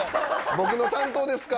僕の担当ですか？